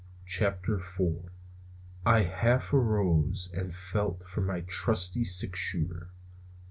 CHAPTER IV. I half arose and felt for a trusty six shooter.